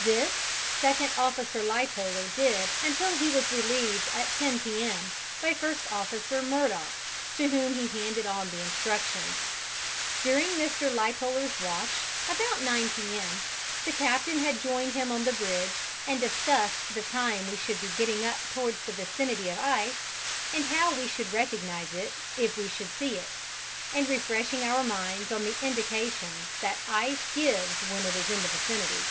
This, Second Officer Lightoller did until he was relieved at 10 P.M. by First Officer Murdock, to whom he handed on the instructions. During Mr. Lightoller's watch, about 9 P.M., the captain had joined him on the bridge and discussed "the time we should be getting up towards the vicinity of the ice, and how we should recognize it if we should see it, and refreshing our minds on the indications that ice gives when it is in the vicinity."